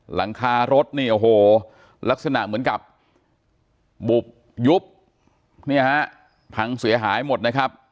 หลังคารถนี่โอ้โหลักษณะเหมือนกับบุบยุบเนี่ยฮะพังเสียหายหมดนะครับ